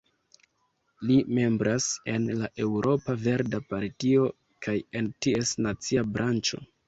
Li membras en la Eŭropa Verda Partio kaj en ties nacia branĉo.